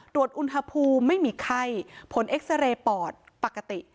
ตรวจอุณหภูมิไม่มีไข้ผลเอ็กซาเรย์ปอดปกติ